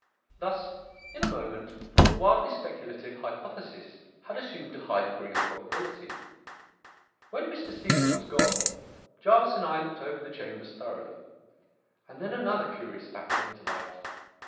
"Thus, in a moment, a wildly speculative hypothesis had assumed a high degree of probability. "When Mr. Stephen was gone, Jervis and I looked over the chambers thoroughly; and then another curious fact came to light.